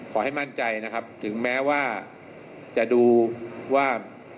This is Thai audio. ขอให้มั่นใจนะครับถึงแม้ว่าจะดูว่า